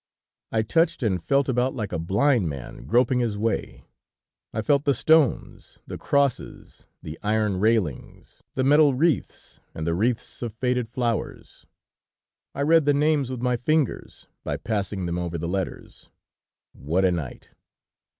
I touched and felt about like a blind man groping his way, I felt the stones, the crosses, the iron railings, the metal wreaths, and the wreaths of faded flowers! I read the names with my fingers, by passing them over the letters. What a night!